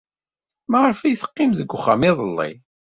Maɣef ay teqqim deg uxxam iḍelli?